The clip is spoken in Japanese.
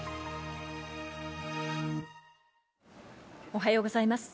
おはようございます。